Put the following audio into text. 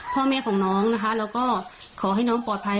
พ่อแม่ของน้องนะคะแล้วก็ขอให้น้องปลอดภัย